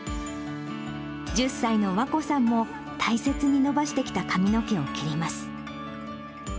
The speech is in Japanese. １０歳の和恋さんも大切に伸ばしてきた髪の毛を切ります。